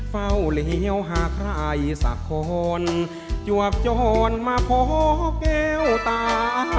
เฝ้าเหลวหาใครสักคนจวบโจรมาพบแก้วตา